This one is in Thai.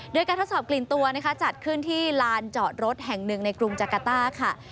โดยการทดสอบกลิ่นตัวนะคะจัดขึ้นที่ลานจอดรถแห่งหนึ่งในกรุงจักรต้าค่ะ